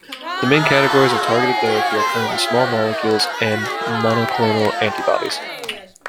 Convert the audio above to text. The main categories of targeted therapy are currently "small molecules" and "monoclonal antibodies.